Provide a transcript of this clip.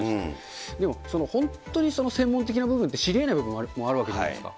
でも、本当に専門的な部分って知りえない部分もあるわけじゃないですか。